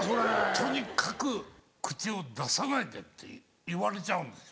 とにかく口を出さないでって言われちゃうんですよ。